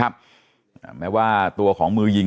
แล้วคนงานทำงานยังได้เงินเดือดไหม